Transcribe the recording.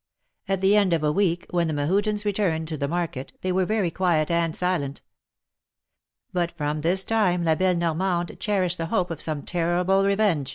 At the end of a week, when the Mehudens returned to the market, they were very quiet and silent. But from this time La belle Normande cherished the hope of some terrible revenge.